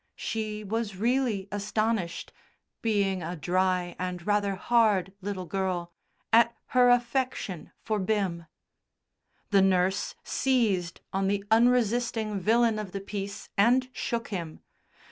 She was really astonished being a dry and rather hard little girl at her affection for Bim. The nurse seized on the unresisting villain of the piece and shook him.